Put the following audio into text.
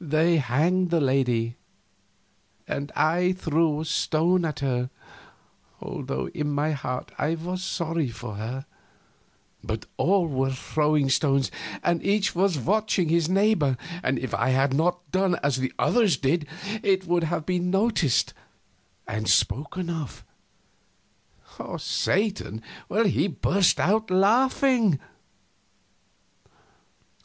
They hanged the lady, and I threw a stone at her, although in my heart I was sorry for her; but all were throwing stones and each was watching his neighbor, and if I had not done as the others did it would have been noticed and spoken of. Satan burst out laughing.